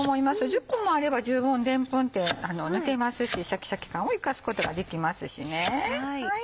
１０分もあれば十分でんぷんって抜けますしシャキシャキ感を生かすことができますしね。